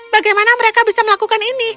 bagaimana mereka bisa melakukan ini